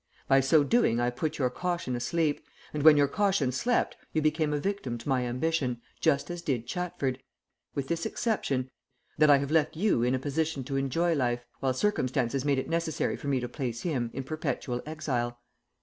By so doing I put your caution asleep, and when your caution slept you became a victim to my ambition just as did Chatford, with this exception, that I have left you in a position to enjoy life, while circumstances made it necessary for me to place him in perpetual exile.